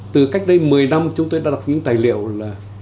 từ cách đây một mươi năm chúng tôi đã đọc những tài liệu là